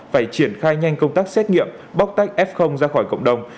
phải triển khai nhanh công tác xét nghiệm bóc tách f ra khỏi cộng đồng